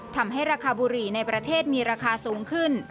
ทำให้ราคาบุหรี่ในประเทศมีราคาสูงขึ้น